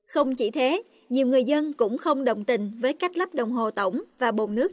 không chỉ thế nhiều người dân cũng không đồng tình với cách lắp đồng hồ tổng và bồn nước